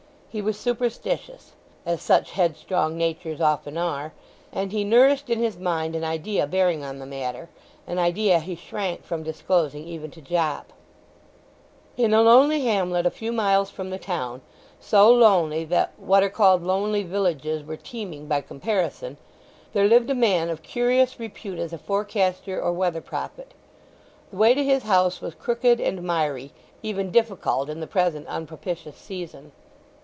He was superstitious—as such head strong natures often are—and he nourished in his mind an idea bearing on the matter; an idea he shrank from disclosing even to Jopp. In a lonely hamlet a few miles from the town—so lonely that what are called lonely villages were teeming by comparison—there lived a man of curious repute as a forecaster or weather prophet. The way to his house was crooked and miry—even difficult in the present unpropitious season.